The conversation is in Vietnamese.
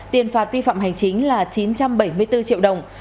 tiền phạt vi phạm hành chính là chín trăm bảy mươi bốn triệu đồng